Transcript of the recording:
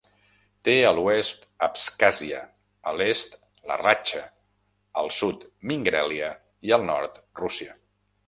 Té a l'oest Abkhàzia, a l'est la Ratxa, al sud Mingrèlia i al nord Rússia.